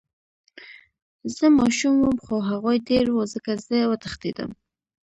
زه ماشوم وم خو هغوي ډير وو ځکه زه وتښتېدم.